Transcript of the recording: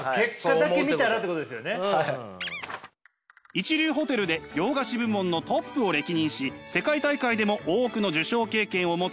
一流ホテルで洋菓子部門のトップを歴任し世界大会でも多くの受賞経験を持つ永純司さん。